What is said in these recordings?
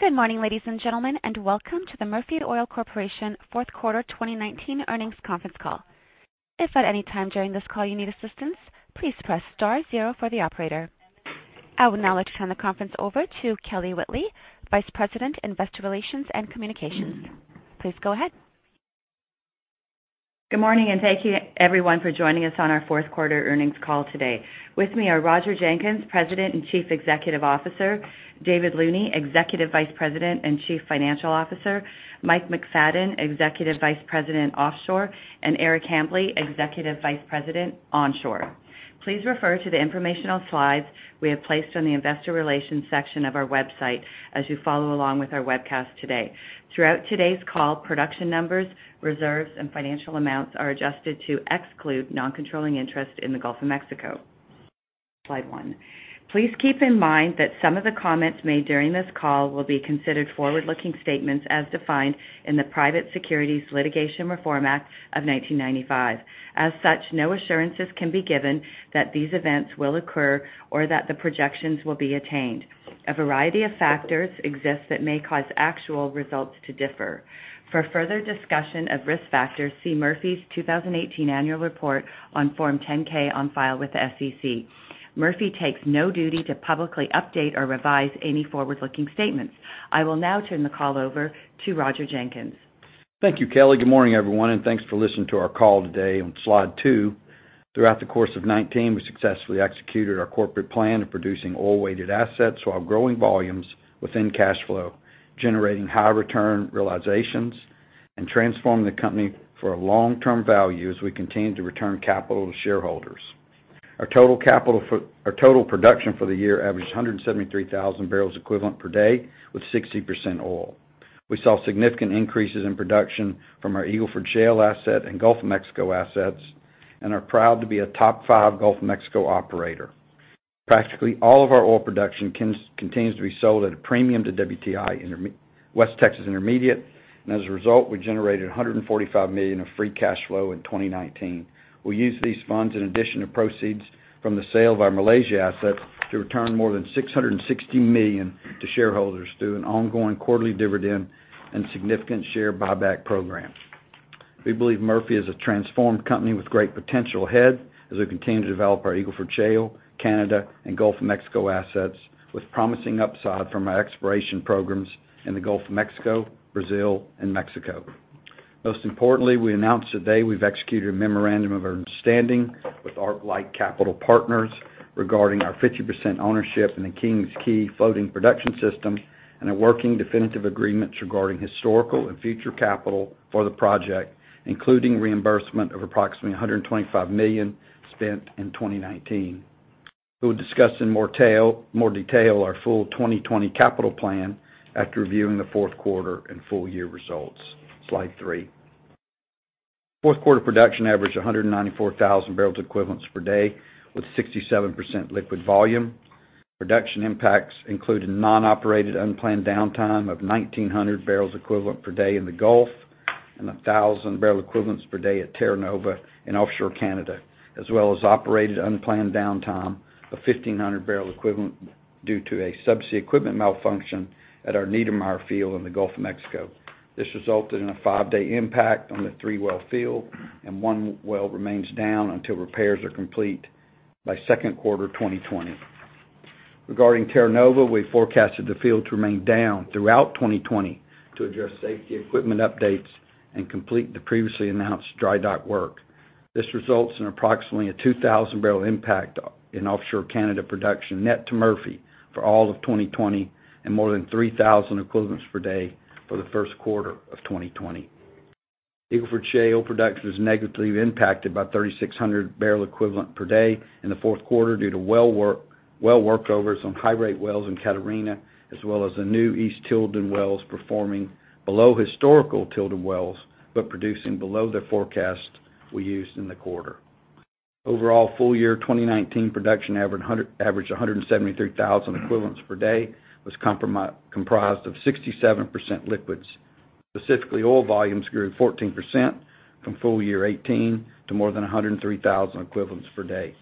Good morning, ladies and gentlemen, and welcome to the Murphy Oil Corporation fourth quarter 2019 earnings conference call. If at any time during this call you need assistance, please press star zero for the operator. I would now like to turn the conference over to Kelly Whitley, Vice President, Investor Relations and Communications. Please go ahead. Good morning, thank you everyone for joining us on our fourth quarter earnings call today. With me are Roger Jenkins, President and Chief Executive Officer. David Looney, Executive Vice President and Chief Financial Officer. Mike McFadyen, Executive Vice President, Offshore, and Eric Hambly, Executive Vice President, Onshore. Please refer to the informational slides we have placed on the investor relations section of our website, as you follow along with our webcast today. Throughout today's call, production numbers, reserves, and financial amounts are adjusted to exclude non-controlling interest in the Gulf of Mexico. Slide one. Please keep in mind that some of the comments made during this call will be considered forward-looking statements as defined in the Private Securities Litigation Reform Act of 1995. As such, no assurances can be given that these events will occur or that the projections will be attained. A variety of factors exist that may cause actual results to differ. For further discussion of risk factors, see Murphy's 2018 annual report on Form 10-K on file with the SEC. Murphy takes no duty to publicly update or revise any forward-looking statements. I will now turn the call over to Roger Jenkins. Thank you, Kelly. Good morning, everyone, and thanks for listening to our call today. On slide two, throughout the course of 2019, we successfully executed our corporate plan of producing oil-weighted assets while growing volumes within cash flow, generating high return realizations, and transforming the company for long-term value as we continue to return capital to shareholders. Our total production for the year averaged 173,000 barrels equivalent per day with 60% oil. We saw significant increases in production from our Eagle Ford shale asset and Gulf of Mexico assets and are proud to be a top five Gulf of Mexico operator. Practically all of our oil production continues to be sold at a premium to WTI, West Texas Intermediate, and as a result, we generated $145 million of free cash flow in 2019. We used these funds in addition to proceeds from the sale of our Malaysia assets to return more than $660 million to shareholders through an ongoing quarterly dividend and significant share buyback program. We believe Murphy is a transformed company with great potential ahead as we continue to develop our Eagle Ford Shale, Canada, and Gulf of Mexico assets with promising upside from our exploration programs in the Gulf of Mexico, Brazil, and Mexico. Most importantly, we announced today we've executed a memorandum of understanding with ArcLight Capital Partners regarding our 50% ownership in the King's Quay floating production system and are working definitive agreements regarding historical and future capital for the project, including reimbursement of approximately $125 million spent in 2019. We'll discuss in more detail our full 2020 capital plan after reviewing the fourth quarter and full year results. Slide three. Fourth quarter production averaged 194,000 barrels equivalents per day with 67% liquid volume. Production impacts included non-operated unplanned downtime of 1,900 barrels equivalent per day in the Gulf and 1,000 barrel equivalents per day at Terra Nova in offshore Canada, as well as operated unplanned downtime of 1,500 barrel equivalent due to a subsea equipment malfunction at our Neidermeyer field in the Gulf of Mexico. This resulted in a five-day impact on the three-well field, and one well remains down until repairs are complete by second quarter 2020. Regarding Terra Nova, we forecasted the field to remain down throughout 2020 to address safety equipment updates and complete the previously announced dry dock work. This results in approximately a 2,000-barrel impact in offshore Canada production net to Murphy for all of 2020 and more than 3,000 equivalents per day for the first quarter of 2020. Eagle Ford Shale production was negatively impacted by 3,600 barrel equivalent per day in the fourth quarter due to well workovers on high-rate wells in Catarina, as well as the new East Tilden wells performing below historical Tilden wells, but producing below the forecast we used in the quarter. Overall, full year 2019 production averaged 173,000 equivalents per day. Was comprised of 67% liquids. Specifically, oil volumes grew 14% from full year 2018 to more than 103,000 equivalents per day,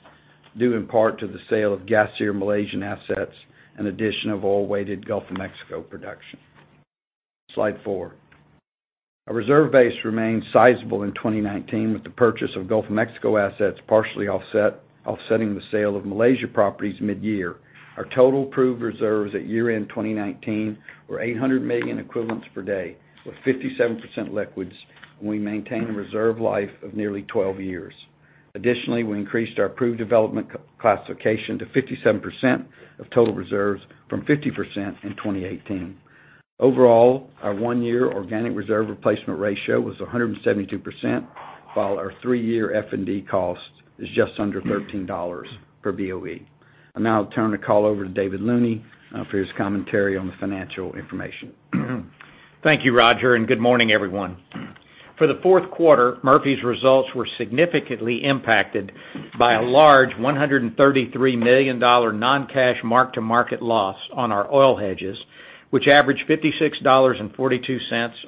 due in part to the sale of gasier Malaysian assets and addition of oil-weighted Gulf of Mexico production. Slide four. Our reserve base remained sizable in 2019 with the purchase of Gulf of Mexico assets partially offsetting the sale of Malaysia properties mid-year. Our total proved reserves at year-end 2019 were 800 million equivalents per day with 57% liquids, and we maintain a reserve life of nearly 12 years. Additionally, we increased our proved development classification to 57% of total reserves from 50% in 2018. Overall, our one-year organic reserve replacement ratio was 172%, while our three-year F&D cost is just under $13 per BOE. I'll now turn the call over to David Looney for his commentary on the financial information. Thank you, Roger, and good morning, everyone. For the fourth quarter, Murphy's results were significantly impacted by a large $133 million non-cash mark-to-market loss on our oil hedges, which averaged $56.42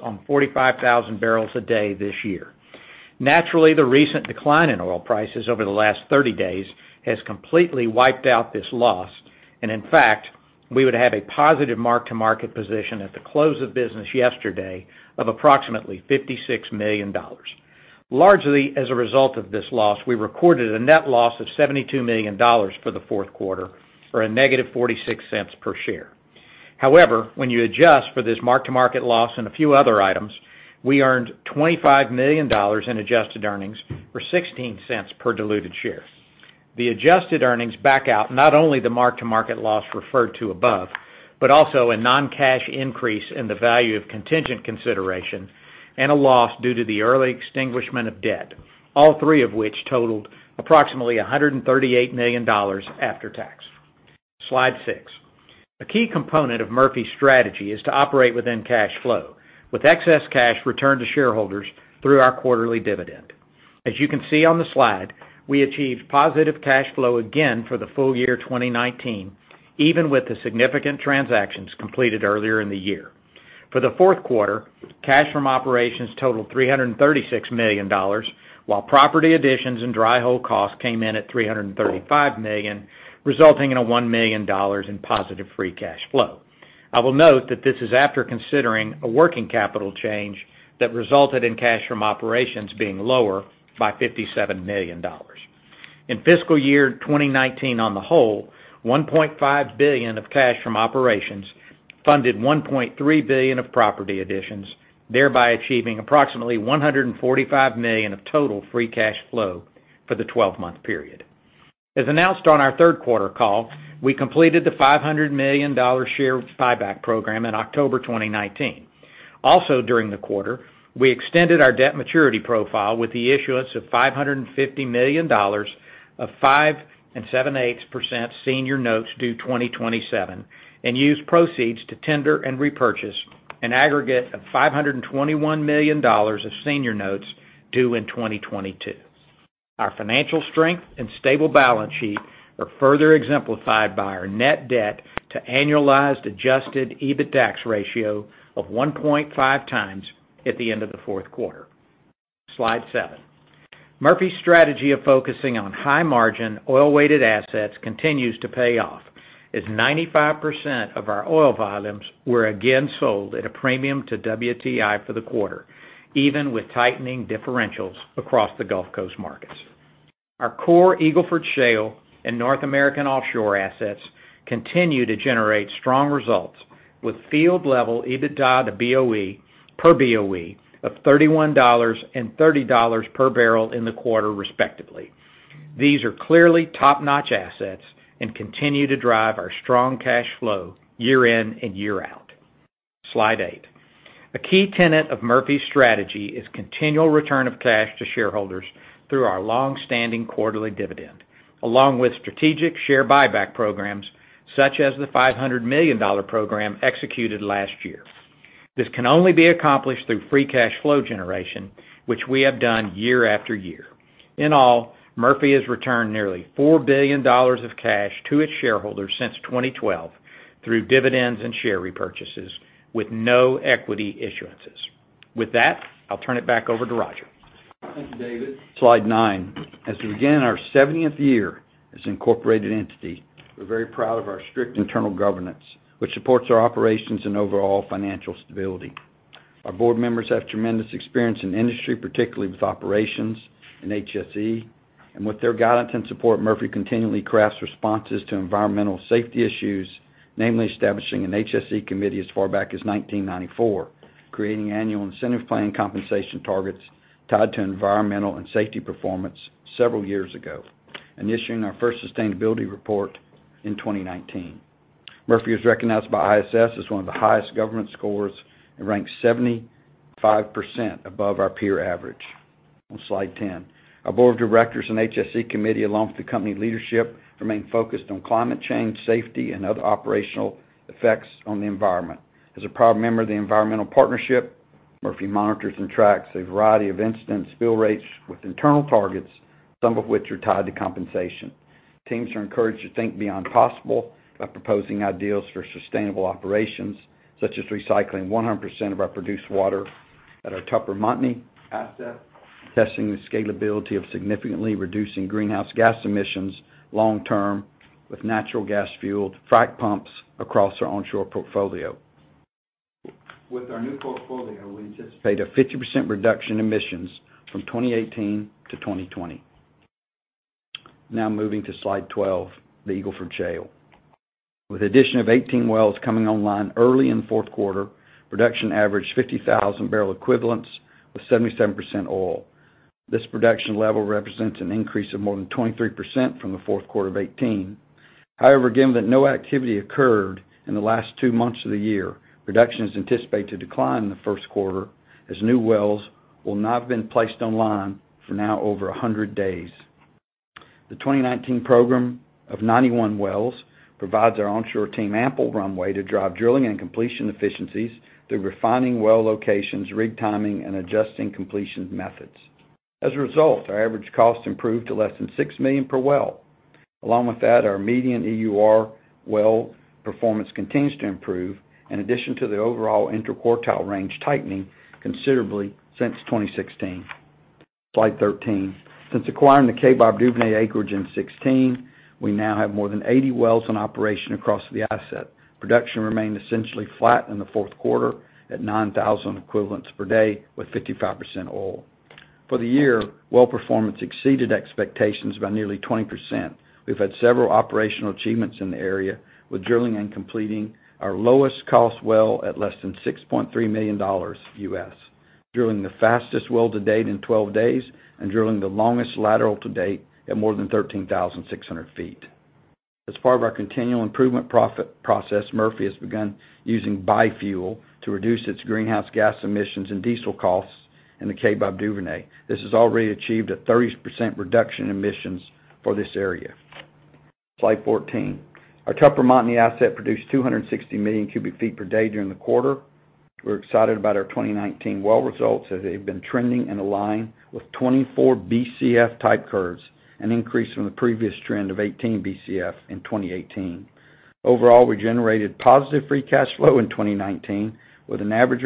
on 45,000 barrels a day this year. Naturally, the recent decline in oil prices over the last 30 days has completely wiped out this loss. In fact, we would have a positive mark-to-market position at the close of business yesterday of approximately $56 million. Largely as a result of this loss, we recorded a net loss of $72 million for the fourth quarter, or a negative $0.46 per share. However, when you adjust for this mark-to-market loss and a few other items, we earned $25 million in adjusted earnings for $0.16 per diluted share. The adjusted earnings back out not only the mark-to-market loss referred to above, but also a non-cash increase in the value of contingent consideration and a loss due to the early extinguishment of debt, all three of which totaled approximately $138 million after tax. Slide six. A key component of Murphy's strategy is to operate within cash flow, with excess cash returned to shareholders through our quarterly dividend. As you can see on the slide, we achieved positive cash flow again for the full year 2019, even with the significant transactions completed earlier in the year. For the fourth quarter, cash from operations totaled $336 million, while property additions and dry hole costs came in at $335 million, resulting in a $1 million in positive free cash flow. I will note that this is after considering a working capital change that resulted in cash from operations being lower by $57 million. In fiscal year 2019 on the whole, $1.5 billion of cash from operations funded $1.3 billion of property additions, thereby achieving approximately $145 million of total free cash flow for the 12-month period. As announced on our third quarter call, we completed the $500 million share buyback program in October 2019. Also during the quarter, we extended our debt maturity profile with the issuance of $550 million of 5.87% senior notes due 2027, and used proceeds to tender and repurchase an aggregate of $521 million of senior notes due in 2022. Our financial strength and stable balance sheet are further exemplified by our net debt to annualized adjusted EBITDAX ratio of 1.5 times at the end of the fourth quarter. Slide seven. Murphy's strategy of focusing on high-margin, oil-weighted assets continues to pay off, as 95% of our oil volumes were again sold at a premium to WTI for the quarter, even with tightening differentials across the Gulf Coast markets. Our core Eagle Ford Shale and North American offshore assets continue to generate strong results, with field-level EBITDA to BOE, per BOE of $31 and $30 per barrel in the quarter respectively. These are clearly top-notch assets and continue to drive our strong cash flow year in and year out. Slide eight. A key tenet of Murphy's strategy is continual return of cash to shareholders through our longstanding quarterly dividend, along with strategic share buyback programs, such as the $500 million program executed last year. This can only be accomplished through free cash flow generation, which we have done year after year. In all, Murphy has returned nearly $4 billion of cash to its shareholders since 2012 through dividends and share repurchases with no equity issuances. With that, I'll turn it back over to Roger. Thank you, David. Slide nine. As we begin our 70th year as an incorporated entity, we're very proud of our strict internal governance, which supports our operations and overall financial stability. Our board members have tremendous experience in the industry, particularly with operations and HSE. With their guidance and support, Murphy continually crafts responses to environmental safety issues, namely establishing an HSE committee as far back as 1994, creating annual incentive plan compensation targets tied to environmental and safety performance several years ago, and issuing our first sustainability report in 2019. Murphy is recognized by ISS as one of the highest governance scores and ranks 75% above our peer average. On slide 10. Our board of directors and HSE committee, along with the company leadership, remain focused on climate change, safety, and other operational effects on the environment. As a proud member of The Environmental Partnership, Murphy monitors and tracks a variety of incidents, spill rates with internal targets, some of which are tied to compensation. Teams are encouraged to think beyond possible by proposing ideas for sustainable operations, such as recycling 100% of our produced water at our Tupper Montney asset, testing the scalability of significantly reducing greenhouse gas emissions long-term with natural gas-fueled frac pumps across our onshore portfolio. With our new portfolio, we anticipate a 50% reduction in emissions from 2018 to 2020. Now moving to slide 12, the Eagle Ford Shale. With the addition of 18 wells coming online early in the fourth quarter, production averaged 50,000 barrel equivalents with 77% oil. This production level represents an increase of more than 23% from the fourth quarter of 2018. However, again, with no activity occurred in the last two months of the year, production is anticipated to decline in the first quarter as new wells will not have been placed online for now over 100 days. The 2019 program of 91 wells provides our onshore team ample runway to drive drilling and completion efficiencies through refining well locations, rig timing, and adjusting completion methods. As a result, our average cost improved to less than $6 million per well. Along with that, our median EUR well performance continues to improve, in addition to the overall interquartile range tightening considerably since 2016. Slide 13. Since acquiring the Kaybob Duvernay acreage in 2016, we now have more than 80 wells in operation across the asset. Production remained essentially flat in the fourth quarter at 9,000 equivalents per day with 55% oil. For the year, well performance exceeded expectations by nearly 20%. We've had several operational achievements in the area with drilling and completing our lowest cost well at less than $6.3 million, drilling the fastest well to date in 12 days, and drilling the longest lateral to date at more than 13,600 feet. As part of our continual improvement process, Murphy has begun using bi-fuel to reduce its greenhouse gas emissions and diesel costs in the Kaybob Duvernay. This has already achieved a 30% reduction in emissions for this area. Slide 14. Our Tupper Montney asset produced 260 million cubic feet per day during the quarter. We're excited about our 2019 well results, as they've been trending and aligned with 24 Bcf type curves, an increase from the previous trend of 18 Bcf in 2018. Overall, we generated positive free cash flow in 2019, with an average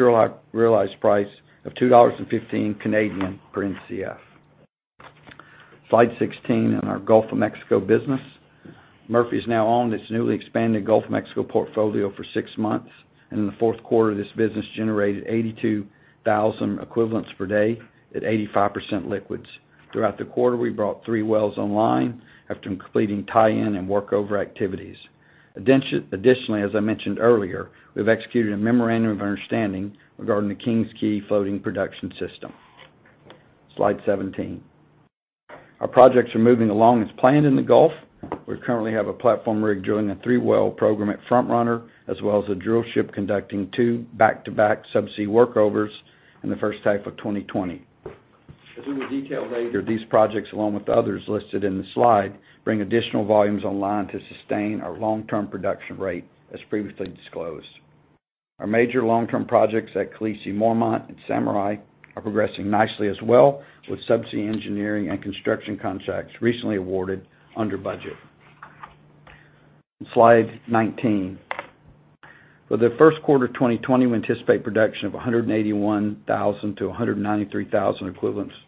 realized price of CA$2.15 per Mcf. Slide 16 in our Gulf of Mexico business. Murphy has now owned its newly expanded Gulf of Mexico portfolio for six months. In the fourth quarter, this business generated 82,000 equivalents per day at 85% liquids. Throughout the quarter, we brought three wells online after completing tie-in and workover activities. Additionally, as I mentioned earlier, we've executed a memorandum of understanding regarding the King's Quay floating production system. Slide 17. Our projects are moving along as planned in the Gulf. We currently have a platform rig drilling a three-well program at Front Runner, as well as a drill ship conducting two back-to-back subsea workovers in the first half of 2020. As we will detail later, these projects, along with others listed in the slide, bring additional volumes online to sustain our long-term production rate, as previously disclosed. Our major long-term projects at Khaleesi, Mormont, and Samurai are progressing nicely as well, with subsea engineering and construction contracts recently awarded under budget. Slide 19. For the first quarter 2020, we anticipate production of 181,000 to 193,000 equivalents per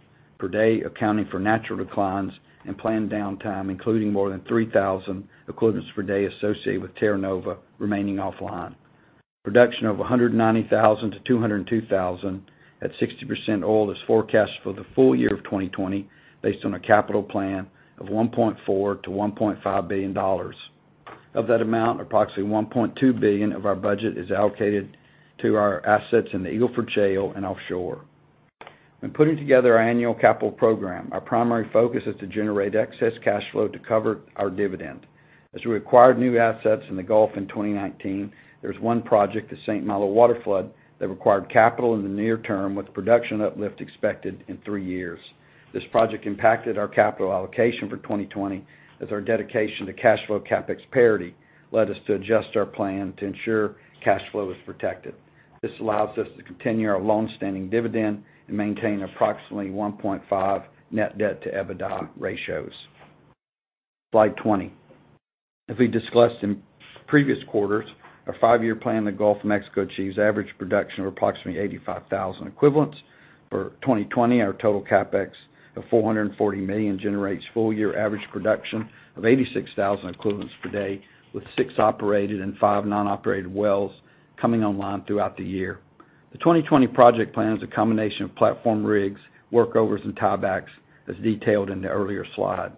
day, accounting for natural declines and planned downtime, including more than 3,000 equivalents per day associated with Terra Nova remaining offline. Production of 190,000 to 202,000 at 60% oil is forecast for the full year of 2020, based on a capital plan of $1.4 billion-$1.5 billion. Of that amount, approximately $1.2 billion of our budget is allocated to our assets in the Eagle Ford Shale and offshore. When putting together our annual capital program, our primary focus is to generate excess cash flow to cover our dividend. As we acquired new assets in the Gulf in 2019, there was one project, the St. Malo Waterflood, that required capital in the near term with production uplift expected in three years. This project impacted our capital allocation for 2020, as our dedication to cash flow CapEx parity led us to adjust our plan to ensure cash flow is protected. This allows us to continue our longstanding dividend and maintain approximately 1.5 net debt to EBITDA ratios. Slide 20. As we discussed in previous quarters, our five-year plan in the Gulf of Mexico achieves average production of approximately 85,000 equivalents. For 2020, our total CapEx of $440 million generates full year average production of 86,000 equivalents per day, with six operated and five non-operated wells coming online throughout the year. The 2020 project plan is a combination of platform rigs, workovers, and tiebacks, as detailed in the earlier slide.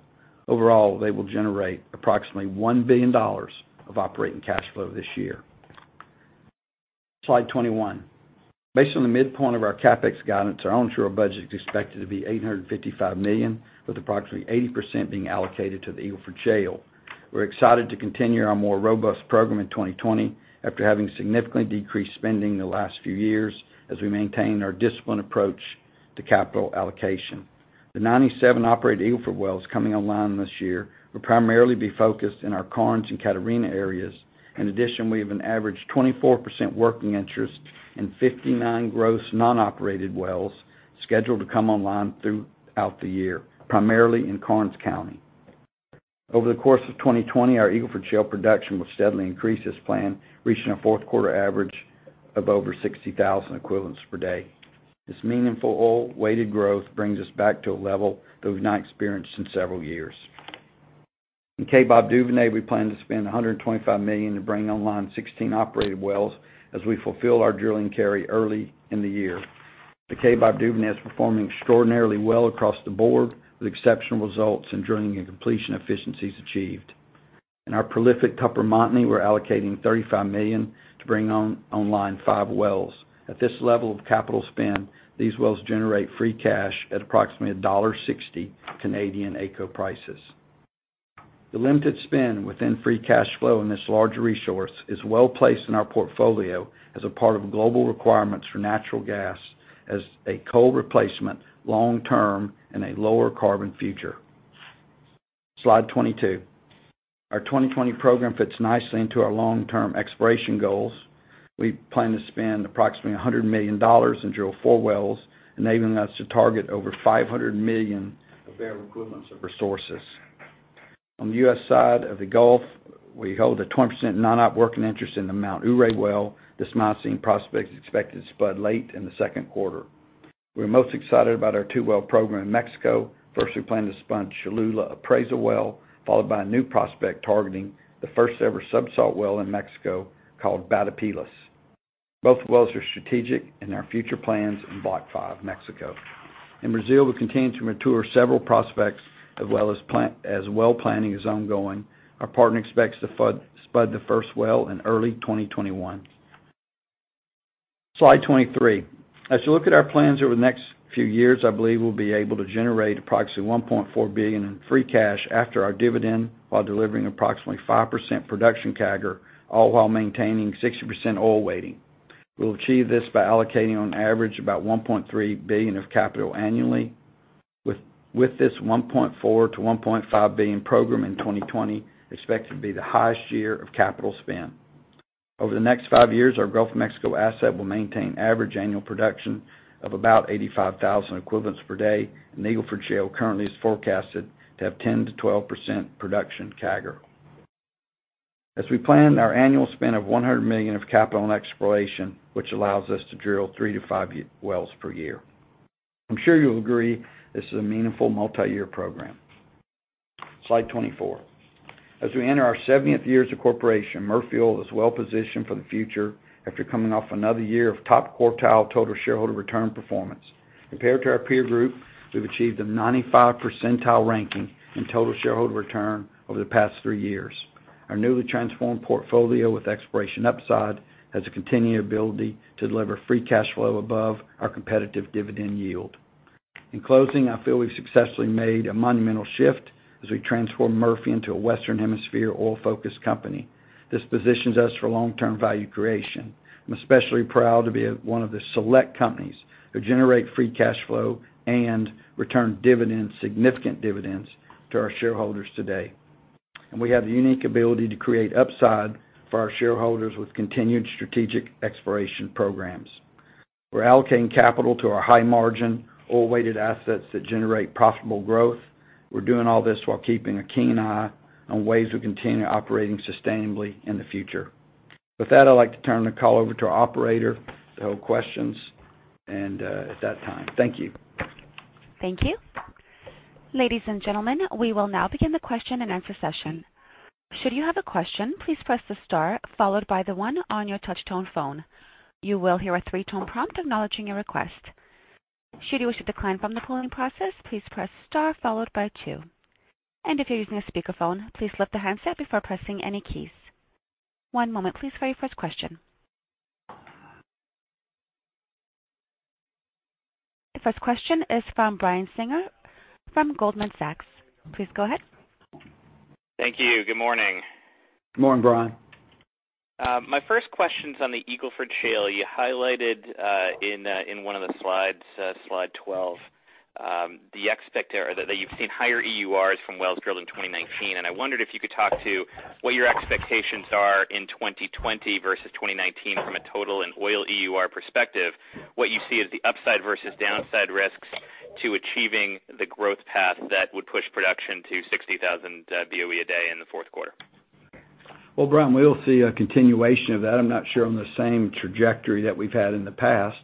Overall, they will generate approximately $1 billion of operating cash flow this year. Slide 21. Based on the midpoint of our CapEx guidance, our onshore budget is expected to be $855 million, with approximately 80% being allocated to the Eagle Ford Shale. We're excited to continue our more robust program in 2020 after having significantly decreased spending in the last few years as we maintain our disciplined approach to capital allocation. The 97 operated Eagle Ford wells coming online this year will primarily be focused in our Karnes and Catarina areas. In addition, we have an average 24% working interest in 59 gross non-operated wells scheduled to come online throughout the year, primarily in Karnes County. Over the course of 2020, our Eagle Ford Shale production will steadily increase as planned, reaching a fourth quarter average of over 60,000 equivalents per day. This meaningful oil weighted growth brings us back to a level that we've not experienced in several years. In Kaybob Duvernay, we plan to spend $125 million to bring online 16 operated wells as we fulfill our drilling carry early in the year. The Kaybob Duvernay is performing extraordinarily well across the board with exceptional results in drilling and completion efficiencies achieved. In our prolific Tupper Montney, we're allocating $35 million to bring online five wells. At this level of capital spend, these wells generate free cash at approximately a CA$1.60 AECO prices. The limited spend within free cash flow in this large resource is well-placed in our portfolio as a part of global requirements for natural gas as a coal replacement long term in a lower carbon future. Slide 22. Our 2020 program fits nicely into our long-term exploration goals. We plan to spend approximately $100 million and drill four wells, enabling us to target over 500 million barrel equivalents of resources. On the U.S. side of the Gulf, we hold a 20% non-op working interest in the Mount Ouray well. This milestone prospect is expected to spud late in the second quarter. We're most excited about our two-well program in Mexico. First, we plan to spud Cholula appraisal well, followed by a new prospect targeting the first-ever subsalt well in Mexico, called Batopilas. Both wells are strategic in our future plans in Block 5, Mexico. In Brazil, we continue to mature several prospects as well planning is ongoing. Our partner expects to spud the first well in early 2021. Slide 23. As you look at our plans over the next few years, I believe we'll be able to generate approximately $1.4 billion in free cash after our dividend, while delivering approximately 5% production CAGR, all while maintaining 60% oil weighting. We'll achieve this by allocating on average about $1.3 billion of capital annually, with this $1.4 billion-$1.5 billion program in 2020 expected to be the highest year of capital spend. Over the next five years, our Gulf of Mexico asset will maintain average annual production of about 85,000 equivalents per day, and Eagle Ford shale currently is forecasted to have 10%-12% production CAGR. As we plan our annual spend of $100 million of capital and exploration, which allows us to drill three to five wells per year, I'm sure you'll agree this is a meaningful multi-year program. Slide 24. As we enter our 70th year as a corporation, Murphy Oil is well-positioned for the future after coming off another year of top-quartile total shareholder return performance. Compared to our peer group, we've achieved a 95 percentile ranking in total shareholder return over the past three years. Our newly transformed portfolio with exploration upside has a continued ability to deliver free cash flow above our competitive dividend yield. In closing, I feel we've successfully made a monumental shift as we transform Murphy into a Western Hemisphere oil-focused company. This positions us for long-term value creation. We have the unique ability to create upside for our shareholders with continued strategic exploration programs. We're allocating capital to our high-margin, oil-weighted assets that generate profitable growth. We're doing all this while keeping a keen eye on ways to continue operating sustainably in the future. With that, I'd like to turn the call over to our operator to hold questions. Thank you. Thank you. Ladies and gentlemen, we will now begin the question-and-answer session. Should you have a question, please press the star followed by the one on your touch-tone phone. You will hear a three-tone prompt acknowledging your request. Should you wish to decline from the polling process, please press star followed by two. If you're using a speakerphone, please lift the handset before pressing any keys. One moment please for your first question. The first question is from Brian Singer from Goldman Sachs. Please go ahead. Thank you. Good morning. Morning, Brian. My first question's on the Eagle Ford shale. You highlighted in one of the slides, slide 12, that you've seen higher EURs from wells drilled in 2019. I wondered if you could talk to what your expectations are in 2020 versus 2019 from a total and oil EUR perspective. What you see as the upside versus downside risks to achieving the growth path that would push production to 60,000 BOE a day in the fourth quarter? Well, Brian, we will see a continuation of that. I'm not sure on the same trajectory that we've had in the past.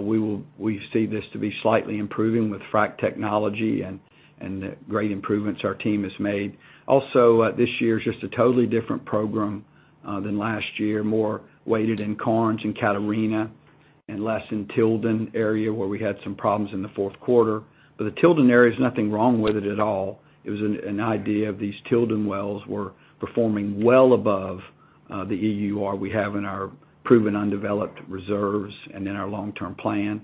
We see this to be slightly improving with frack technology and the great improvements our team has made. This year's just a totally different program than last year. More weighted in Karnes and Catarina, and less in Tilden area, where we had some problems in the fourth quarter. The Tilden area, there's nothing wrong with it at all. It was an idea of these Tilden wells were performing well above the EUR we have in our proven undeveloped reserves and in our long-term plan.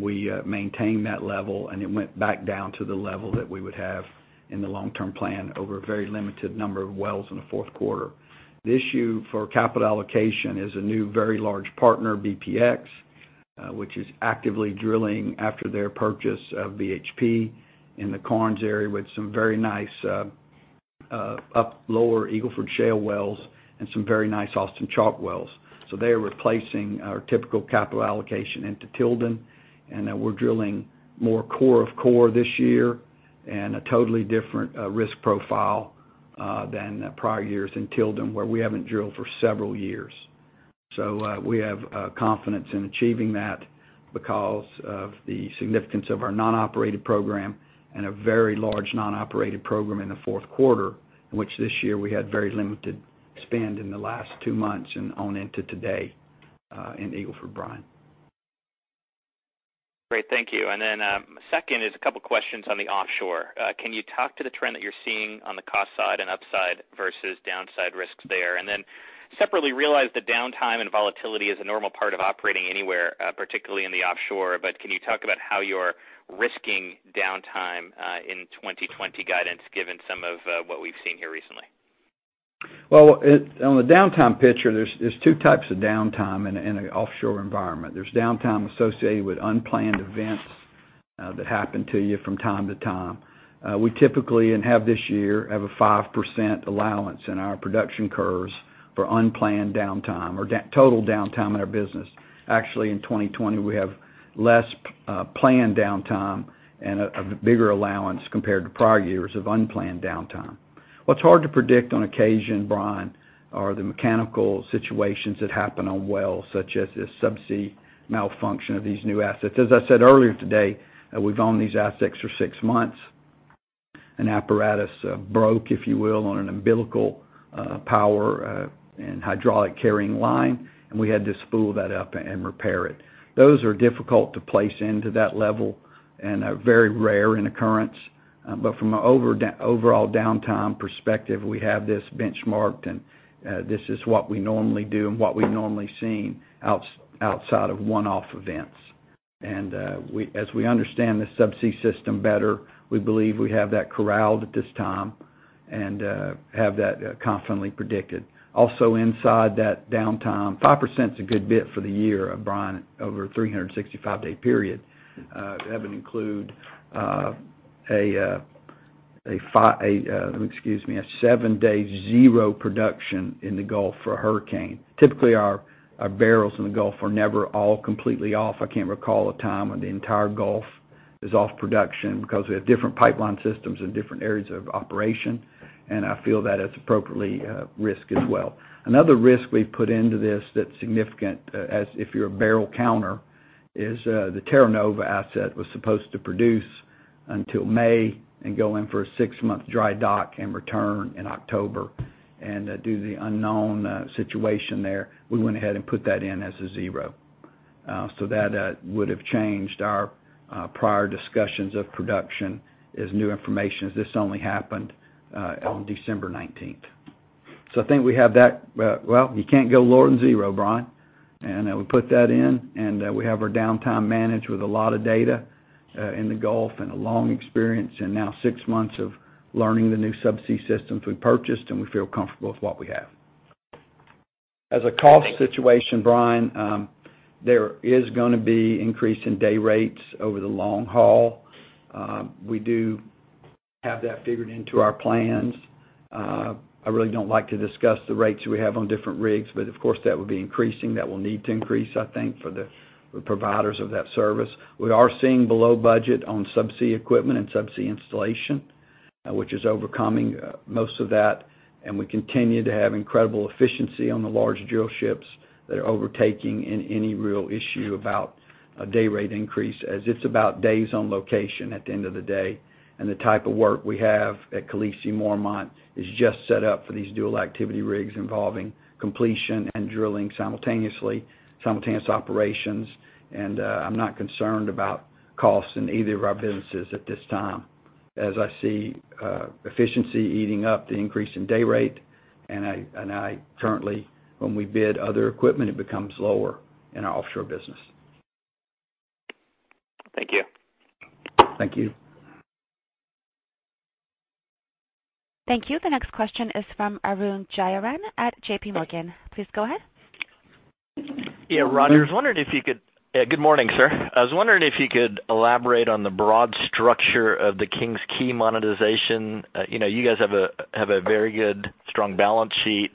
We maintained that level, and it went back down to the level that we would have in the long-term plan over a very limited number of wells in the fourth quarter. The issue for capital allocation is a new very large partner, BPX, which is actively drilling after their purchase of BHP in the Karnes area with some very nice up lower Eagle Ford Shale wells and some very nice Austin Chalk wells. They're replacing our typical capital allocation into Tilden, and we're drilling more core of core this year in a totally different risk profile than prior years in Tilden, where we haven't drilled for several years. We have confidence in achieving that because of the significance of our non-operated program and a very large non-operated program in the fourth quarter, in which this year we had very limited spend in the last two months and on into today in Eagle Ford, Brian. Great, thank you. Second is a couple questions on the offshore. Can you talk to the trend that you're seeing on the cost side and upside versus downside risks there? Separately, realize that downtime and volatility is a normal part of operating anywhere, particularly in the offshore. Can you talk about how you're risking downtime in 2020 guidance given some of what we've seen here recently? Well, on the downtime picture, there's two types of downtime in an offshore environment. There's downtime associated with unplanned events that happen to you from time to time. We typically, and have this year, have a 5% allowance in our production curves for unplanned downtime or total downtime in our business. Actually, in 2020, we have less planned downtime and a bigger allowance compared to prior years of unplanned downtime. What's hard to predict on occasion, Brian, are the mechanical situations that happen on wells, such as this subsalt malfunction of these new assets. As I said earlier today, we've owned these assets for six months. An apparatus broke, if you will, on an umbilical power and hydraulic carrying line, and we had to spool that up and repair it. Those are difficult to place into that level and are very rare in occurrence. From an overall downtime perspective, we have this benchmarked, and this is what we normally do and what we've normally seen outside of one-off events. As we understand this subsalt system better, we believe we have that corralled at this time and have that confidently predicted. Also inside that downtime, 5% is a good bit for the year, Brian, over a 365-day period. That would include a seven-day zero production in the Gulf for a hurricane. Typically, our barrels in the Gulf are never all completely off. I can't recall a time when the entire Gulf is off production because we have different pipeline systems in different areas of operation, and I feel that it's appropriately a risk as well. Another risk we've put into this that's significant, as if you're a barrel counter, is the Terra Nova asset was supposed to produce until May and go in for a six-month dry dock and return in October. Due to the unknown situation there, we went ahead and put that in as a zero. That would've changed our prior discussions of production as new information, as this only happened on December 19th. Well, you can't go lower than zero, Brian, and we put that in, and we have our downtime managed with a lot of data in the Gulf and a long experience and now six months of learning the new subsalt systems we purchased, and we feel comfortable with what we have. As a cost situation, Brian, there is going to be increase in day rates over the long haul. We do have that figured into our plans. I really don't like to discuss the rates we have on different rigs, but of course, that would be increasing. That will need to increase, I think, for the providers of that service. We are seeing below budget on subsea equipment and subsea installation, which is overcoming most of that, and we continue to have incredible efficiency on the large drill ships that are overtaking any real issue about a day rate increase, as it's about days on location at the end of the day. The type of work we have at Khaleesi and Mormont is just set up for these dual activity rigs involving completion and drilling simultaneous operations. I'm not concerned about costs in either of our businesses at this time, as I see efficiency eating up the increase in day rate, and currently, when we bid other equipment, it becomes lower in our offshore business. Thank you. Thank you. Thank you. The next question is from Arun Jayaram at JPMorgan. Please go ahead. Yeah. Roger, good morning, sir. I was wondering if you could elaborate on the broad structure of the King's Quay monetization. You guys have a very good, strong balance sheet.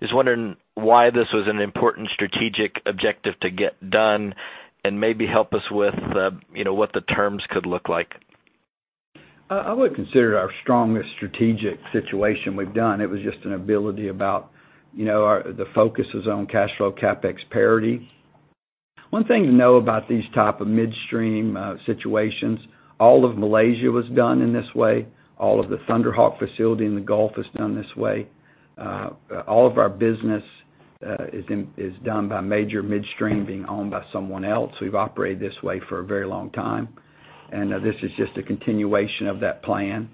Just wondering why this was an important strategic objective to get done, and maybe help us with what the terms could look like. I would consider it our strongest strategic situation we've done. It was just an ability about the focus is on cash flow CapEx parity. One thing to know about these type of midstream situations, all of Malaysia was done in this way. All of the Thunderhawk facility in the Gulf is done this way. All of our business is done by major midstream being owned by someone else. We've operated this way for a very long time, and this is just a continuation of that plan.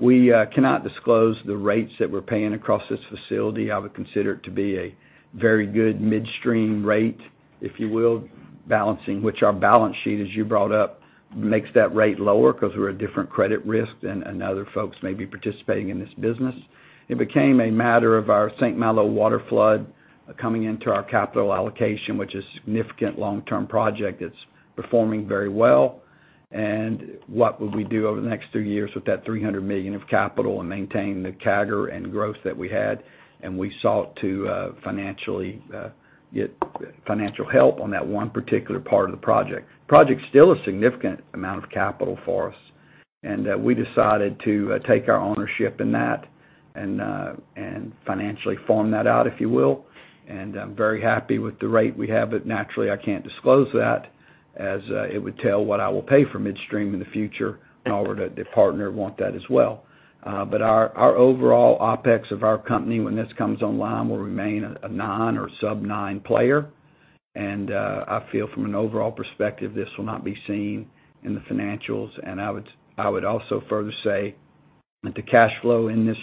We cannot disclose the rates that we're paying across this facility. I would consider it to be a very good midstream rate, if you will, balancing which our balance sheet, as you brought up, makes that rate lower because we're a different credit risk than other folks may be participating in this business. It became a matter of our St. Malo water flood coming into our capital allocation, which is a significant long-term project that's performing very well. What would we do over the next three years with that $300 million of capital and maintain the CAGR and growth that we had? We sought to get financial help on that one particular part of the project. The project's still a significant amount of capital for us, and we decided to take our ownership in that and financially form that out, if you will, and I'm very happy with the rate we have. Naturally, I can't disclose that as it would tell what I will pay for midstream in the future if partner want that as well. Our overall OpEx of our company when this comes online will remain a nine or sub-nine player, and I feel from an overall perspective, this will not be seen in the financials, and I would also further say that the cash flow in this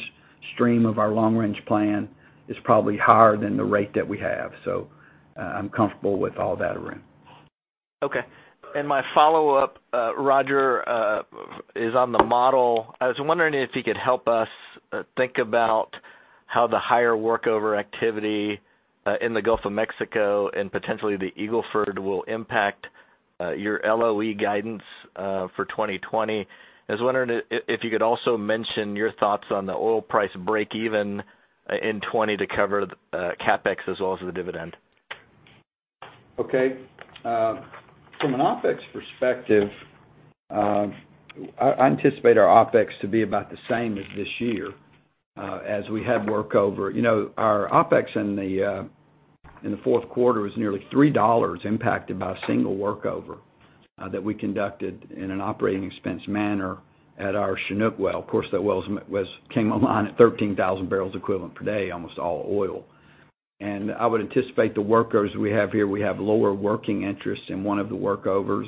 stream of our long-range plan is probably higher than the rate that we have. I'm comfortable with all that, Arun. Okay. My follow-up, Roger, is on the model. I was wondering if you could help us think about how the higher workover activity in the Gulf of Mexico and potentially the Eagle Ford will impact your LOE guidance for 2020. I was wondering if you could also mention your thoughts on the oil price break even in 2020 to cover the CapEx as well as the dividend. Okay. From an OpEx perspective, I anticipate our OpEx to be about the same as this year, as we had workover. Our OpEx in the fourth quarter was nearly $3 impacted by a single workover that we conducted in an operating expense manner at our Chinook well. Of course, that well came online at 13,000 barrels equivalent per day, almost all oil. I would anticipate the workovers we have here, we have lower working interest in one of the workovers,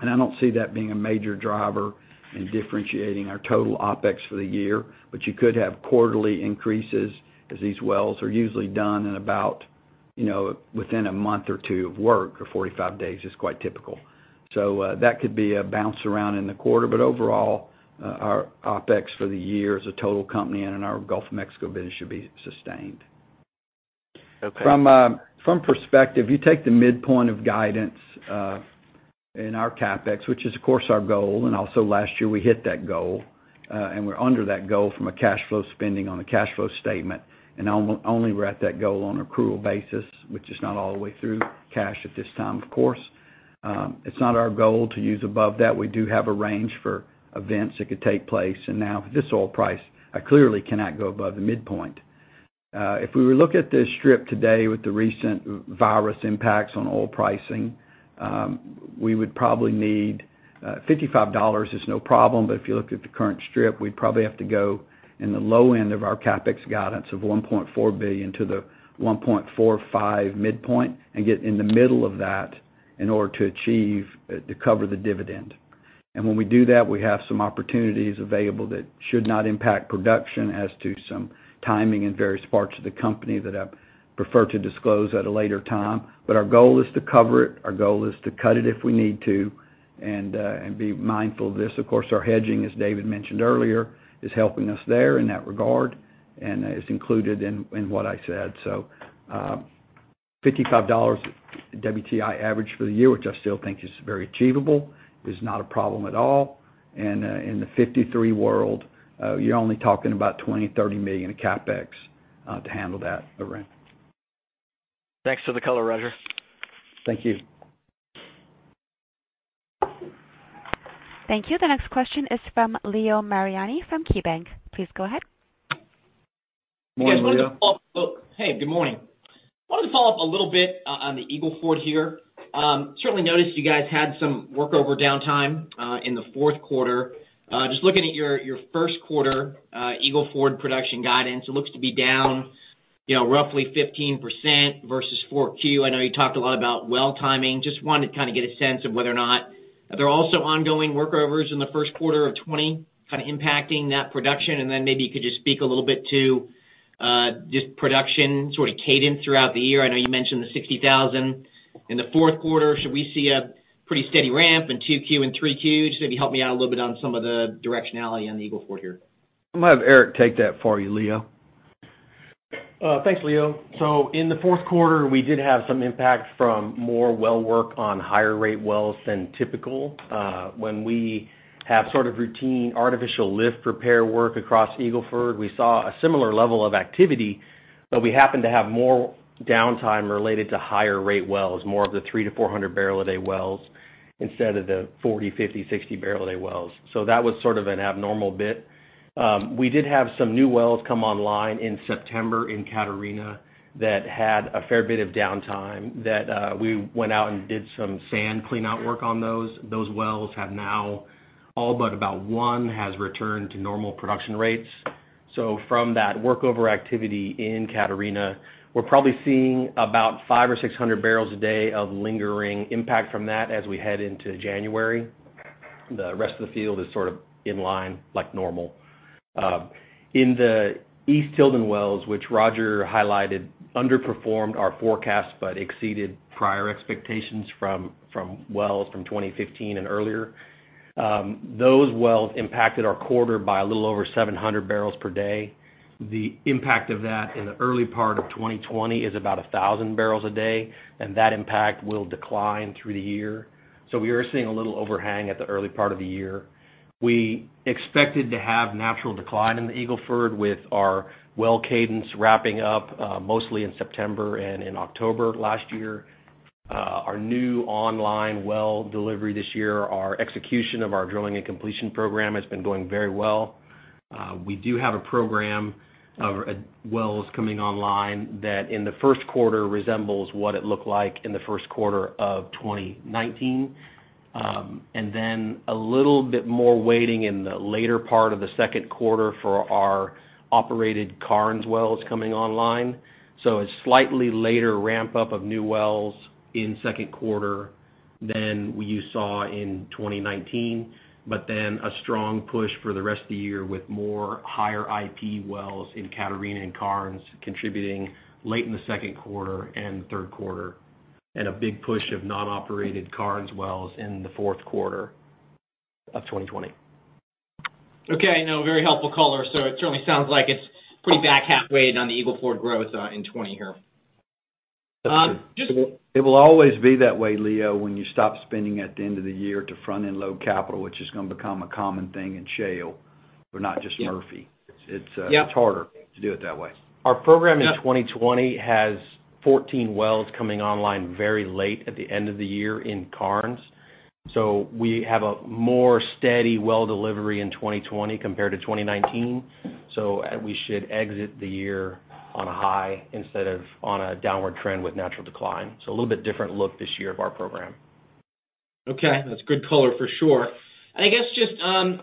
and I don't see that being a major driver in differentiating our total OpEx for the year. You could have quarterly increases as these wells are usually done in about within a month or two of work, or 45 days is quite typical. That could be a bounce around in the quarter. Overall, our OpEx for the year as a total company and in our Gulf of Mexico business should be sustained. Okay. From perspective, you take the midpoint of guidance in our CapEx, which is of course our goal, and also last year we hit that goal, and we're under that goal from a cash flow spending on a cash flow statement. Only we're at that goal on accrual basis, which is not all the way through cash at this time, of course. It's not our goal to use above that. We do have a range for events that could take place. Now with this oil price, I clearly cannot go above the midpoint. If we were to look at this strip today with the recent virus impacts on oil pricing, we would probably need $55 is no problem, if you look at the current strip, we'd probably have to go in the low end of our CapEx guidance of $1.4 billion to the $1.45 billion midpoint and get in the middle of that in order to cover the dividend. When we do that, we have some opportunities available that should not impact production as to some timing in various parts of the company that I prefer to disclose at a later time. Our goal is to cover it, our goal is to cut it if we need to, and be mindful of this. Of course, our hedging, as David mentioned earlier, is helping us there in that regard, and it's included in what I said. $55 WTI average for the year, which I still think is very achievable, is not a problem at all. In the $53 world, you're only talking about $20 million, $30 million of CapEx to handle that arrangement. Thanks for the color, Roger. Thank you. Thank you. The next question is from Leo Mariani from KeyBanc. Please go ahead. Morning, Leo. Hey, good morning. Wanted to follow up a little bit on the Eagle Ford here. Certainly noticed you guys had some workover downtime in the fourth quarter. Just looking at your first quarter Eagle Ford production guidance, it looks to be down roughly 15% versus 4Q. I know you talked a lot about well timing. Just wanted to kind of get a sense of whether or not there are also ongoing workovers in the first quarter of 2020 kind of impacting that production. Maybe you could just speak a little bit to just production sort of cadence throughout the year. I know you mentioned the 60,000 in the fourth quarter. Should we see a pretty steady ramp in 2Q and 3Q? Just maybe help me out a little bit on some of the directionality on the Eagle Ford here. I'm going to have Eric take that for you, Leo. Thanks, Leo. In the fourth quarter, we did have some impact from more well work on higher rate wells than typical. When we have sort of routine artificial lift repair work across Eagle Ford, we saw a similar level of activity, but we happened to have more downtime related to higher rate wells, more of the 3 to 400 barrel a day wells instead of the 40, 50, 60 barrel a day wells. We did have some new wells come online in September in Catarina that had a fair bit of downtime that we went out and did some sand cleanout work on those. Those wells have now all but about one has returned to normal production rates. From that workover activity in Catarina, we're probably seeing about 500 or 600 barrels a day of lingering impact from that as we head into January. The rest of the field is sort of in line, like normal. In the East Tilden wells, which Roger highlighted, underperformed our forecast but exceeded prior expectations from wells from 2015 and earlier. Those wells impacted our quarter by a little over 700 barrels per day. The impact of that in the early part of 2020 is about 1,000 barrels a day, and that impact will decline through the year. We are seeing a little overhang at the early part of the year. We expected to have natural decline in the Eagle Ford with our well cadence wrapping up mostly in September and in October last year. Our new online well delivery this year, our execution of our drilling and completion program has been going very well. We do have a program of wells coming online that in the first quarter resembles what it looked like in the first quarter of 2019. A little bit more waiting in the later part of the second quarter for our operated Karnes wells coming online. A slightly later ramp up of new wells in second quarter than you saw in 2019, but then a strong push for the rest of the year with more higher IP wells in Catarina and Karnes contributing late in the second quarter and third quarter, and a big push of non-operated Karnes wells in the fourth quarter of 2020. Okay. No, very helpful color. It certainly sounds like it's pretty back half weighted on the Eagle Ford growth in 2020 here. It will always be that way, Leo, when you stop spending at the end of the year to front-end load capital, which is going to become a common thing in shale, but not just Murphy. Yeah. It's harder to do it that way. Our program in 2020 has 14 wells coming online very late at the end of the year in Karnes. We have a more steady well delivery in 2020 compared to 2019. We should exit the year on a high instead of on a downward trend with natural decline. A little bit different look this year of our program. Okay. That's good color for sure. I guess just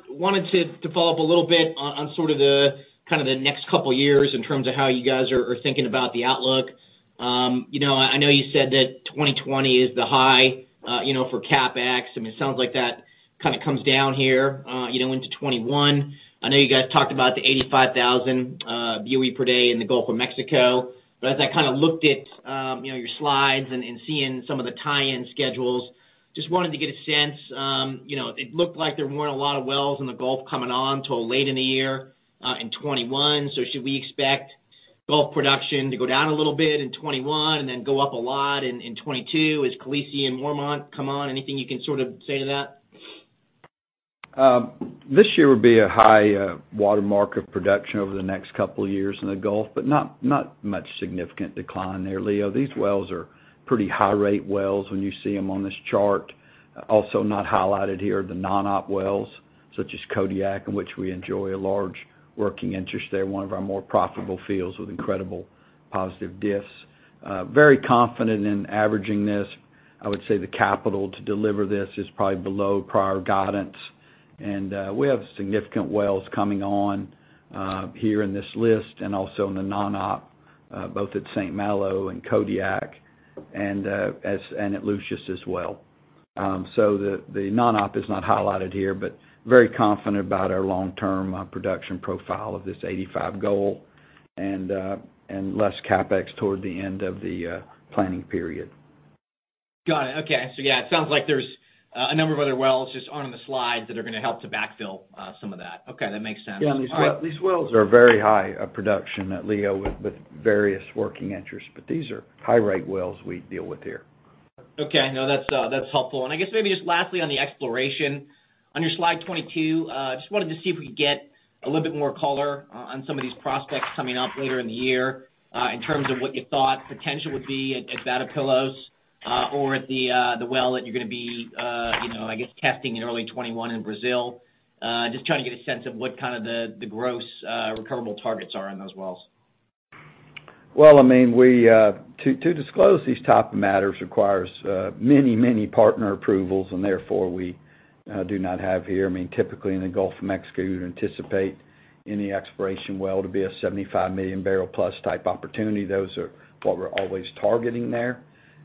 wanted to follow up a little bit on sort of the next couple years in terms of how you guys are thinking about the outlook. I know you said that 2020 is the high for CapEx. I mean, it sounds like that kind of comes down here into 2021. I know you guys talked about the 85,000 BOE per day in the Gulf of Mexico. As I kind of looked at your slides and seeing some of the tie-in schedules, just wanted to get a sense. It looked like there weren't a lot of wells in the Gulf coming on till late in the year in 2021. Should we expect Gulf production to go down a little bit in 2021 and then go up a lot in 2022 as Khaleesi and Mormont come on? Anything you can sort of say to that? This year would be a high watermark of production over the next couple of years in the Gulf, but not much significant decline there, Leo. These wells are pretty high-rate wells when you see them on this chart. Also not highlighted here are the non-op wells, such as Kodiak, in which we enjoy a large working interest there, one of our more profitable fields with incredible positive diffs. Very confident in averaging this. I would say the capital to deliver this is probably below prior guidance. We have significant wells coming on here in this list and also in the non-op, both at St. Malo and Kodiak. At Lucius as well. The non-op is not highlighted here, but very confident about our long-term production profile of this 85 goal, and less CapEx toward the end of the planning period. Got it. Okay. Yeah, it sounds like there's a number of other wells just aren't on the slides that are going to help to backfill some of that. Okay, that makes sense. All right. Yeah, these wells are very high production, Leo, with various working interests, but these are high-rate wells we deal with here. Okay, no, that's helpful. I guess maybe just lastly on the exploration. On your slide 22, just wanted to see if we could get a little bit more color on some of these prospects coming up later in the year, in terms of what you thought potential would be at Batopilas, or at the well that you're going to be I guess testing in early 2021 in Brazil. Just trying to get a sense of what kind of the gross recoverable targets are on those wells. Well, to disclose these type of matters requires many partner approvals, and therefore we do not have here. Typically, in the Gulf of Mexico, you would anticipate any exploration well to be a 75-million-barrel-plus type opportunity. Those are what we're always targeting there.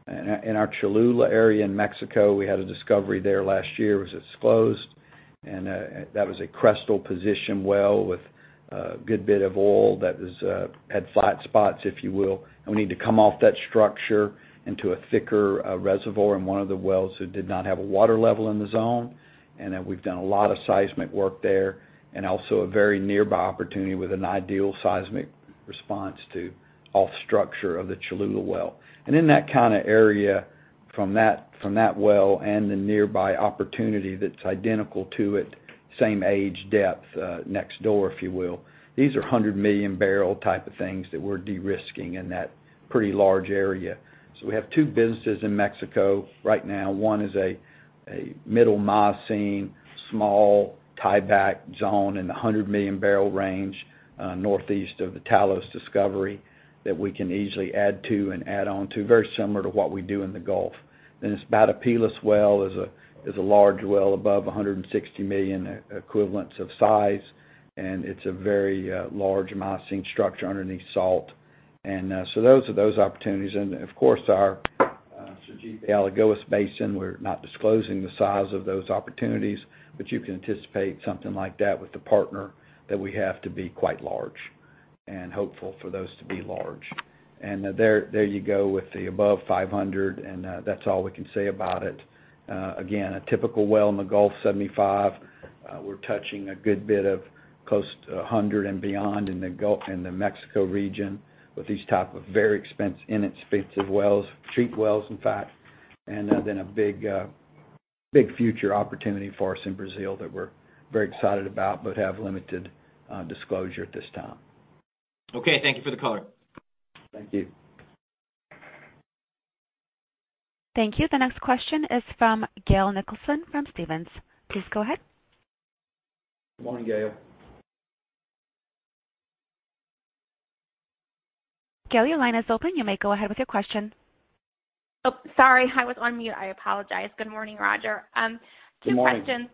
In our Cholula area in Mexico, we had a discovery there last year. It was disclosed, and that was a crestal position well with a good bit of oil that had flat spots, if you will. We need to come off that structure into a thicker reservoir in one of the wells who did not have a water level in the zone. We've done a lot of seismic work there, and also a very nearby opportunity with an ideal seismic response to off structure of the Cholula well. In that kind of area from that well and the nearby opportunity that's identical to it, same age, depth, next door, if you will. These are 100-million-barrel type of things that we're de-risking in that pretty large area. We have two businesses in Mexico right now. One is a Middle Miocene, small tieback zone in the 100-million-barrel range, northeast of the Talos discovery, that we can easily add to and add on to. Very similar to what we do in the Gulf. This Batopilas well is a large well above 160 million equivalents of size, and it's a very large Miocene structure underneath salt. Those are those opportunities. Of course, our Sergipe-Alagoas Basin, we're not disclosing the size of those opportunities, but you can anticipate something like that with the partner that we have to be quite large, and hopeful for those to be large. There you go with the above 500. That's all we can say about it. Again, a typical well in the Gulf, 75. We're touching a good bit of close to 100 and beyond in the Mexico region with these type of very inexpensive wells, cheap wells, in fact. A big future opportunity for us in Brazil that we're very excited about, but have limited disclosure at this time. Okay. Thank you for the color. Thank you. Thank you. The next question is from Gail Nicholson from Stephens. Please go ahead. Good morning, Gail. Gail, your line is open. You may go ahead with your question. Oh, sorry. I was on mute. I apologize. Good morning, Roger. Good morning. Two questions.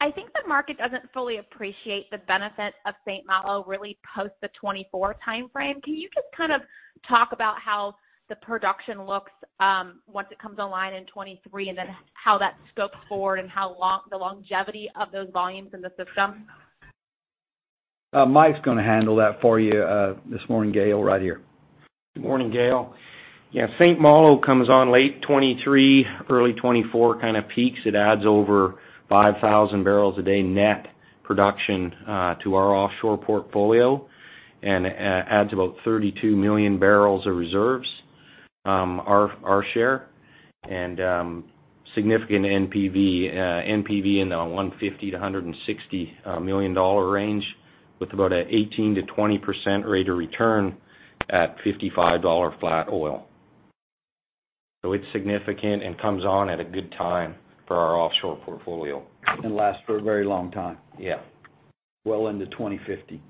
I think the market doesn't fully appreciate the benefit of St. Malo really post the 2024 timeframe. Can you just kind of talk about how the production looks once it comes online in 2023, and then how that scopes forward and the longevity of those volumes in the system? Mike's going to handle that for you this morning, Gail, right here. Good morning, Gail. Yeah, St. Malo comes on late 2023, early 2024 kind of peaks. It adds over 5,000 barrels a day net production to our offshore portfolio and adds about 32 million barrels of reserves, our share, and significant NPV in the $150 million-$160 million range with about an 18%-20% rate of return at $55 flat oil. It's significant and comes on at a good time for our offshore portfolio. Lasts for a very long time. Yeah. Well into 2050.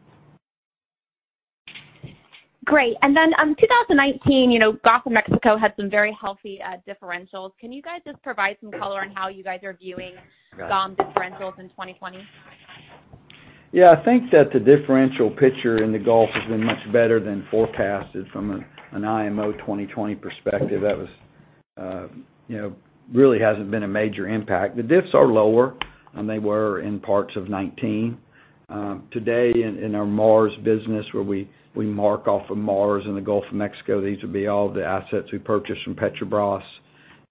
Great. 2019, Gulf of Mexico had some very healthy differentials. Can you guys just provide some color on how you guys are viewing? Right GOM differentials in 2020? I think that the differential picture in the Gulf has been much better than forecasted from an IMO 2020 perspective. That really hasn't been a major impact. The diffs are lower than they were in parts of 2019. Today in our Mars business, where we mark off of Mars in the Gulf of Mexico, these would be all the assets we purchased from Petrobras,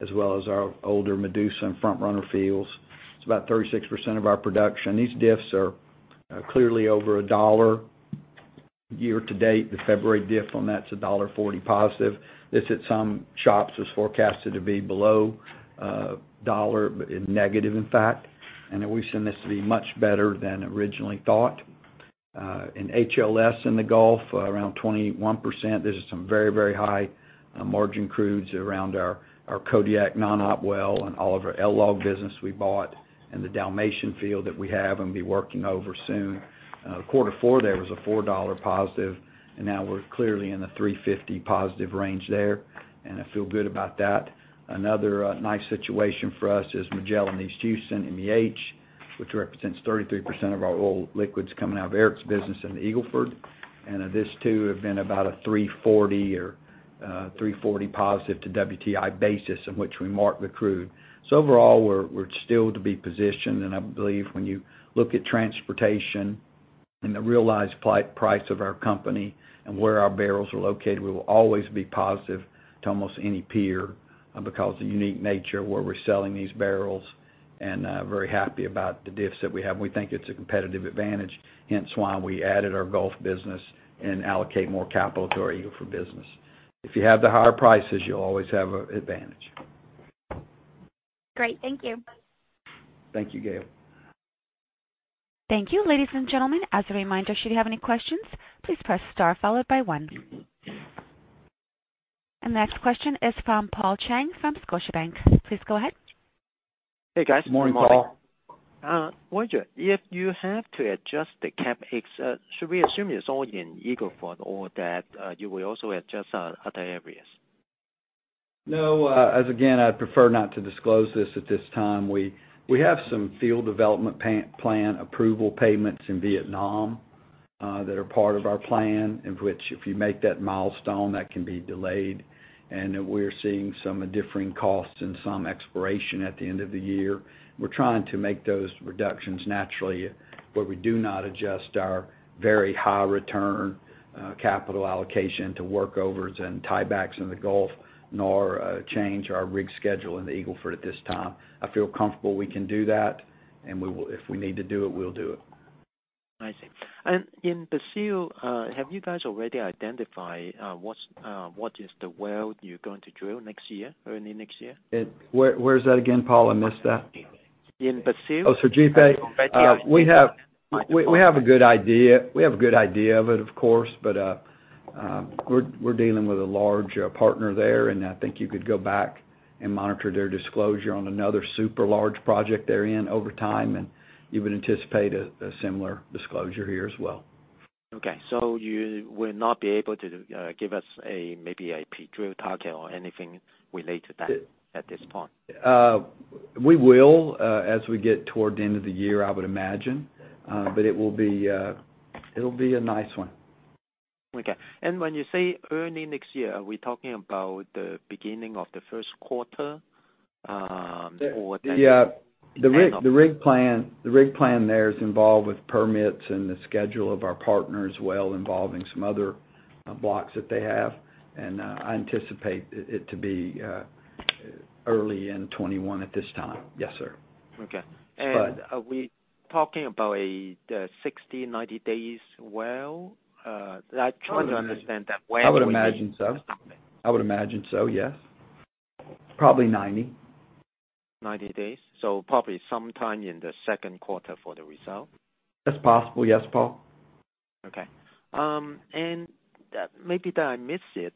as well as our older Medusa and Front Runner fields. It's about 36% of our production. These diffs are clearly over $1 year to date. The February diff on that's $1.40 positive. This at some shops was forecasted to be below $1, negative in fact, and we've seen this to be much better than originally thought. In HLS in the Gulf, it is around 21%. This is some very, very high margin crudes around our Kodiak non-op well and all of our LLOG business we bought in the Dalmatian field that we have and be working over soon. Quarter four there was a $4 positive, and now we're clearly in the $3.50 positive range there, and I feel good about that. Another nice situation for us is Magellan East Houston, MEH, which represents 33% of our oil liquids coming out of Eric's business in the Eagle Ford. This too have been about a $3.40 or $3.40 positive to WTI basis in which we mark the crude. Overall, we're still to be positioned, and I believe when you look at transportation and the realized price of our company and where our barrels are located, we will always be positive to almost any peer because of the unique nature of where we're selling these barrels, and very happy about the diffs that we have. We think it's a competitive advantage, hence why we added our Gulf business and allocate more capital to our Eagle Ford business. If you have the higher prices, you'll always have an advantage. Great. Thank you. Thank you, Gail. Thank you. Ladies and gentlemen, as a reminder, should you have any questions, please press star followed by one. Next question is from Paul Cheng from Scotiabank. Please go ahead. Hey, guys. Morning, Paul. Good morning. Wonder if you have to adjust the CapEx, should we assume it's all in Eagle Ford or that you will also adjust other areas? No. As again, I'd prefer not to disclose this at this time. We have some field development plan approval payments in Vietnam that are part of our plan, in which if you make that milestone, that can be delayed. We're seeing some differing costs and some exploration at the end of the year. We're trying to make those reductions naturally. We do not adjust our very high return capital allocation to workovers and tiebacks in the Gulf, nor change our rig schedule in the Eagle Ford at this time. I feel comfortable we can do that, and if we need to do it, we'll do it. I see. In Brazil, have you guys already identified what is the well you're going to drill next year? Early next year? Where is that again, Paul? I missed that. In Brazil. Oh, Sergipe? Sergipe. We have a good idea. We have a good idea of it, of course, but we're dealing with a large partner there, and I think you could go back and monitor their disclosure on another super large project they're in over time, and you would anticipate a similar disclosure here as well. Okay. You will not be able to give us maybe a pre-drill target or anything related to that at this point? We will, as we get toward the end of the year, I would imagine. It'll be a nice one. Okay. When you say early next year, are we talking about the beginning of the first quarter? Yeah. It depends on. The rig plan there is involved with permits and the schedule of our partner as well, involving some other blocks that they have. I anticipate it to be early in 2021 at this time. Yes, sir. Okay. But- Are we talking about a 60, 90 days well? I'm trying to understand that. I would imagine so. I would imagine so, yes. Probably 90. 90 days. Probably sometime in the second quarter for the result? That's possible. Yes, Paul. Okay. Maybe that I missed it.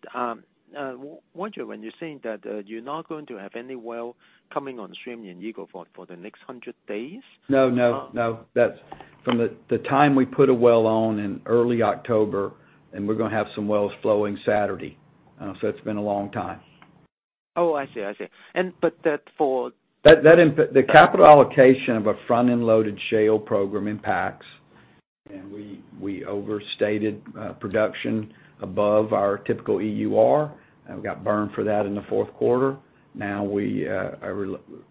Wonder when you're saying that you're not going to have any well coming on stream in Eagle Ford for the next 100 days? No, no. From the time we put a well on in early October, and we're going to have some wells flowing Saturday. It's been a long time. Oh, I see. I see. The capital allocation of a front-end loaded shale program impacts, and we overstated production above our typical EUR, and we got burned for that in the fourth quarter. Now we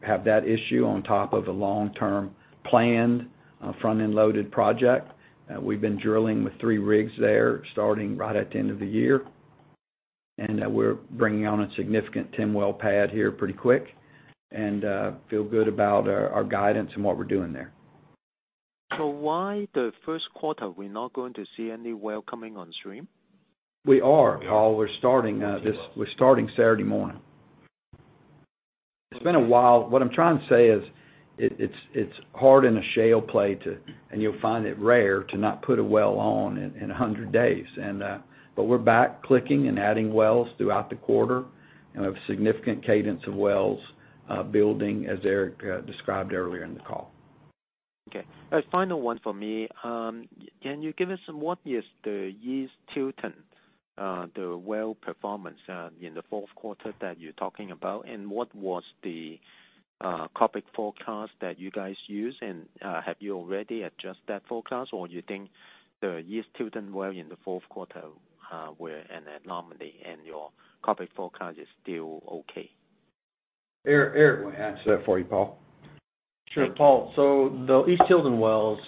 have that issue on top of a long-term planned front-end loaded project. We've been drilling with three rigs there starting right at the end of the year. We're bringing on a significant Tilden Well pad here pretty quick, and feel good about our guidance and what we're doing there. Why the first quarter, we're not going to see any well coming on stream? We are, Paul. We're starting Saturday morning. It's been a while. What I'm trying to say is, it's hard in a shale play, and you'll find it rare to not put a well on in 100 days. We're back clicking and adding wells throughout the quarter, and have significant cadence of wells building, as Eric described earlier in the call. Okay. A final one for me. Can you give us what is the East Tilden, the well performance in the fourth quarter that you're talking about? What was the CapEx forecast that you guys used, and have you already adjusted that forecast, or you think the East Tilden well in the fourth quarter were an anomaly and your CapEx forecast is still okay? Eric will answer that for you, Paul. Sure. Paul, the East Tilden wells,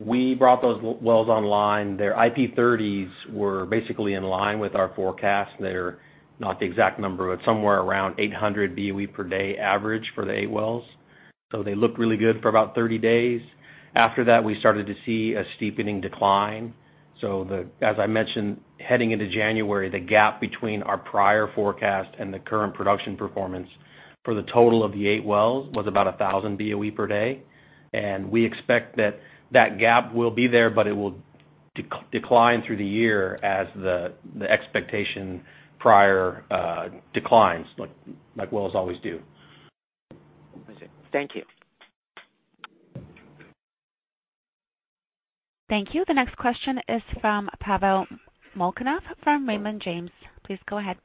we brought those wells online. Their IP-30s were basically in line with our forecast. They're not the exact number, but somewhere around 800 BOE per day average for the eight wells. They looked really good for about 30 days. After that, we started to see a steepening decline. As I mentioned, heading into January, the gap between our prior forecast and the current production performance for the total of the eight wells was about 1,000 BOE per day, and we expect that that gap will be there, but it will decline through the year as the expectation prior declines, like wells always do. I see. Thank you. Thank you. The next question is from Pavel Molchanov from Raymond James. Please go ahead.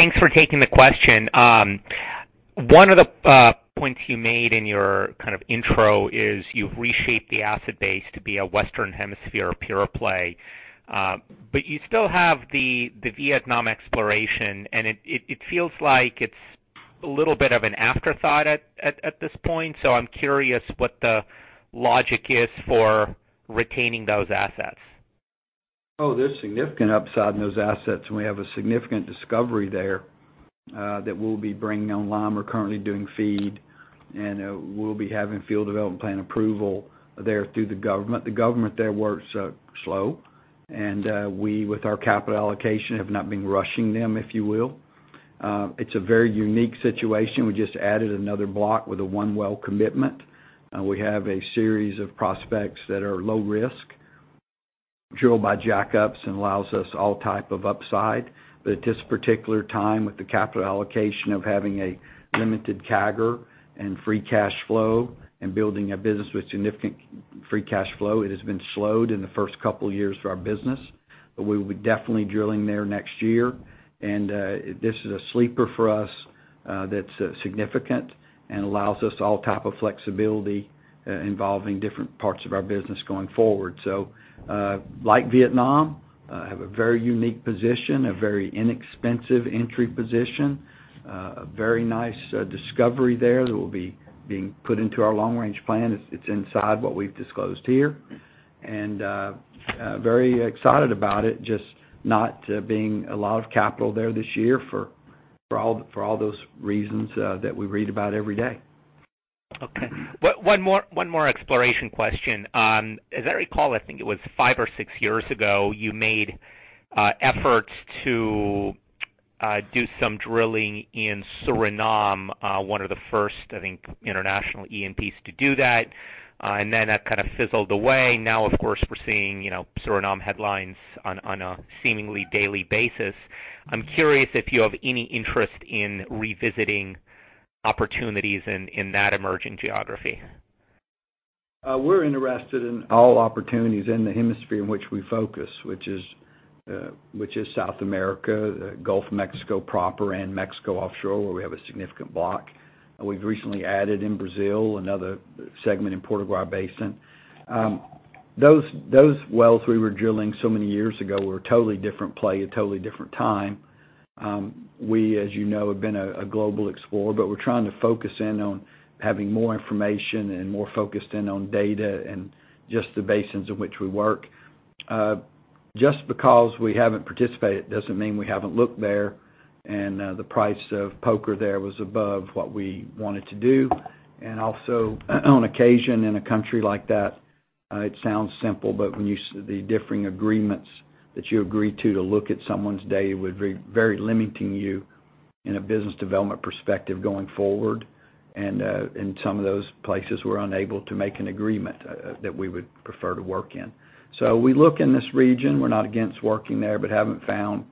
Thanks for taking the question. One of the points you made in your intro is you've reshaped the asset base to be a Western Hemisphere pure play. You still have the Vietnam exploration, and it feels like it's a little bit of an afterthought at this point. I'm curious what the logic is for retaining those assets. Oh, there's significant upside in those assets, and we have a significant discovery there that we'll be bringing online. We're currently doing FEED, and we'll be having field development plan approval there through the government. The government there works slow, and we, with our capital allocation, have not been rushing them, if you will. It's a very unique situation. We just added another block with a one well commitment. We have a series of prospects that are low risk, drilled by jackups and allows us all type of upside. At this particular time, with the capital allocation of having a limited CAGR and free cash flow, and building a business with significant free cash flow, it has been slowed in the first couple of years for our business. We will be definitely drilling there next year. This is a sleeper for us that's significant and allows us all type of flexibility involving different parts of our business going forward. Like Vietnam, have a very unique position, a very inexpensive entry position. Very nice discovery there that will be being put into our long-range plan. It's inside what we've disclosed here. Very excited about it, just not being a lot of capital there this year for all those reasons that we read about every day. Okay. One more exploration question. As I recall, I think it was five or six years ago, you made efforts to do some drilling in Suriname, one of the first, I think, international E&Ps to do that. That kind of fizzled away. Now, of course, we're seeing Suriname headlines on a seemingly daily basis. I'm curious if you have any interest in revisiting opportunities in that emerging geography. We're interested in all opportunities in the hemisphere in which we focus, which is South America, Gulf of Mexico proper, and Mexico offshore, where we have a significant block. We've recently added in Brazil, another segment in Potiguar Basin. Those wells we were drilling so many years ago were a totally different play, a totally different time. We, as you know, have been a global explorer, but we're trying to focus in on having more information and more focused in on data and just the basins in which we work. Just because we haven't participated, doesn't mean we haven't looked there, and the price of poker there was above what we wanted to do. Also, on occasion, in a country like that, it sounds simple, but the differing agreements that you agree to look at someone's data would be very limiting you in a business development perspective going forward. In some of those places, we're unable to make an agreement that we would prefer to work in. We look in this region. We're not against working there, but haven't found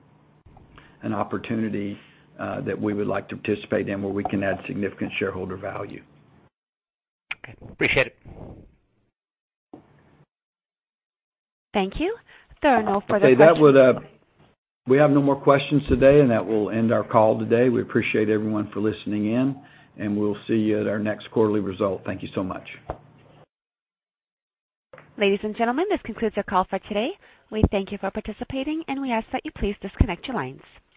an opportunity that we would like to participate in where we can add significant shareholder value. Okay. Appreciate it. Thank you. There are no further questions. Okay. We have no more questions today, and that will end our call today. We appreciate everyone for listening in, and we'll see you at our next quarterly result. Thank you so much. Ladies and gentlemen, this concludes your call for today. We thank you for participating, and we ask that you please disconnect your lines.